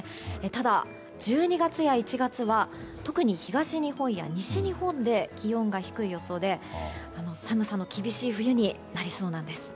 ただ、１２月や１月は特に東日本や西日本で気温が低い予想で寒さの厳しい冬になりそうなんです。